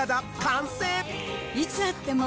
いつ会っても。